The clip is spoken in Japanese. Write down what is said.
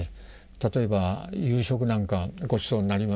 例えば夕食なんかごちそうになりますね